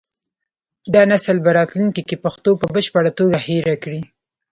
دا نسل به راتلونکي کې پښتو په بشپړه توګه هېره کړي.